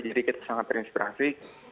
jadi kita sangat terinspirasi